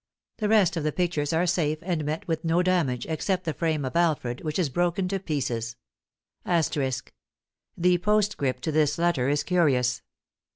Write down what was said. The rest of the pictures are safe and met with no damage, except the frame of Alfred, which is broken to pieces." The postscript to this letter is curious.